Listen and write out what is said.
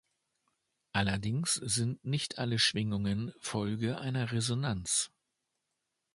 Allerdings sind nicht alle Schwingungen Folge einer Resonanz.